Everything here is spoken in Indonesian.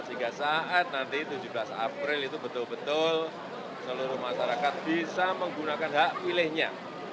sehingga saat nanti tujuh belas april itu betul betul seluruh masyarakat bisa menggunakan hak pilihnya